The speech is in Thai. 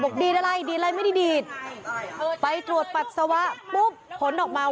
ดีดอะไรดีดอะไรไม่ได้ดีดไปตรวจปัสสาวะปุ๊บผลออกมา